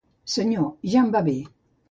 Senyor, ja em va bé.